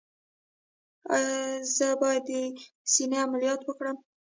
ایا زه باید د سینې عملیات وکړم؟